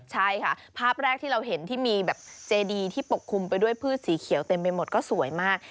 ใช่ค่ะภาพแรกที่เราเห็นที่มีแบบเจดีที่ปกคลุมไปด้วยพืชสีเขียวเต็มไปหมดก็สวยมาก